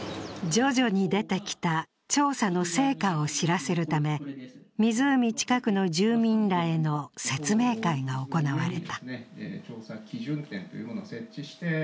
徐々に出てきた調査の成果を知らせるため湖近くの住民らへの説明会が行われた。